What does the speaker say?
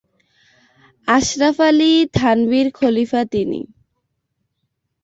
আশরাফ আলী থানভীর খলীফা তিনি।